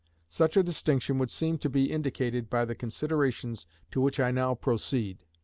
Such a distinction would seem to be indicated by the considerations to which I now proceed.